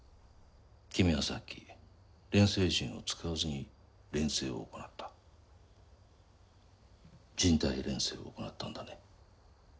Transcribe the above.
君はさっき錬成陣を使わずに錬成を行った人体錬成を行ったんだね